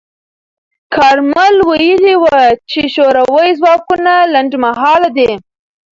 کارمل ویلي و چې شوروي ځواکونه لنډمهاله دي.